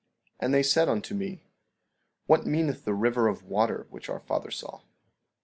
15:26 And they said unto me: What meaneth the river of water which our father saw?